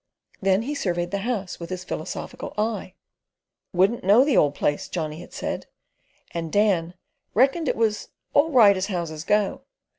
Then he surveyed the house with his philosophical eye. "Wouldn't know the old place," Johnny had said, and Dan "reckoned" it was "all right as houses go."